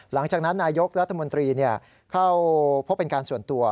หลังจากนั้นนายกรัฐมนตรีเข้าพบเป็นการส่วนตัว